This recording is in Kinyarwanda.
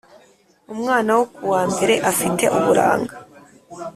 umwana wo kuwa mbere afite uburanga